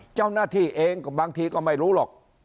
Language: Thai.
เจ้าหน้าที่เองบางทีก็ไม่รู้หรอก